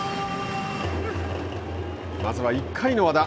まずは１回の和田。